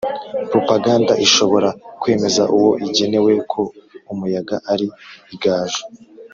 propagande ishobora kwemeza uwo igenewe ko umuyaga ari igaju!